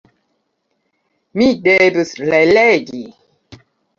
Mi devus relegi.